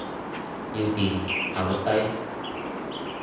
要電，效率低。